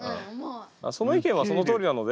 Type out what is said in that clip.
その意見はそのとおりなので。